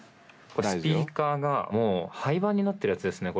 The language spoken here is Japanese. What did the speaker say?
これスピーカーがもう廃盤になってるやつですね。